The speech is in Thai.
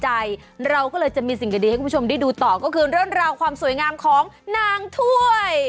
เราก็เลยจะมีสิ่งดีให้คุณผู้ชมได้ดูต่อก็คือเรื่องราวความสวยงามของนางถ้วย